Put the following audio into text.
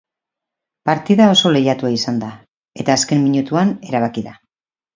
Partida oso lehiatua izan da, eta azken minutuan erabaki da.